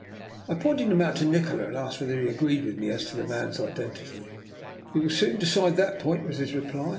I pointed him out to Nikola, and asked whether he agreed with me as to the man's identity. " We will soon decide that point," was his reply.